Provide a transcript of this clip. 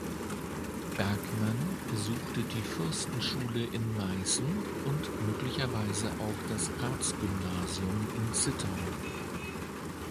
Bergmann besuchte die Fürstenschule in Meißen und möglicherweise auch das Ratsgymnasium in Zittau.